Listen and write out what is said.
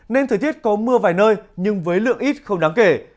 nên thời tiết có mưa vài nơi nhưng với lượng ít không đáng kể